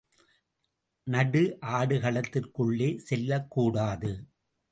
நடு ஆடுகளத்திற்குள்ளே செல்லக்கூடாது.